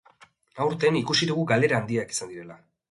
Aurten ikusi dugu galera handiak izan direla.